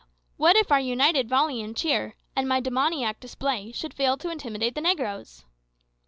What if our united volley and cheer, and my demoniac display, should fail to intimidate the negroes?"